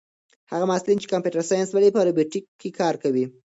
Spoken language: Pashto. هغه محصلین چې کمپیوټر ساینس لولي په روبوټیک کې کار کوي.